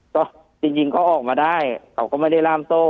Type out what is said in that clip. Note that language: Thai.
ก็จริงเขาออกมาได้เขาก็ไม่ได้ล่ามโซ่